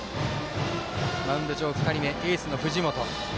マウンド上、２人目エースの藤本。